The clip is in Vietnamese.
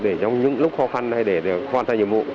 trong những lúc khó khăn hay để hoàn thành nhiệm vụ